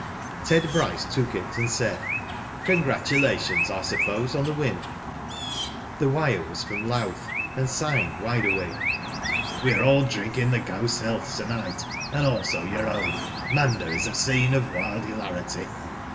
Ted Bryce took it and said :Congratulations, I suppose, on the win." The wire was from Louth, and signed Wide Awake. '^ We are all drinking The Ghost's health to night, and also your own. Munda is a scene of wild hilarity."